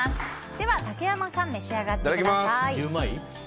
では竹山さん召し上がってください。